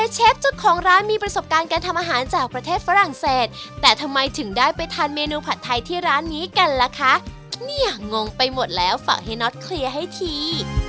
เชฟเจ้าของร้านมีประสบการณ์การทำอาหารจากประเทศฝรั่งเศสแต่ทำไมถึงได้ไปทานเมนูผัดไทยที่ร้านนี้กันล่ะคะเนี่ยงงไปหมดแล้วฝากเฮีน็อตเคลียร์ให้ที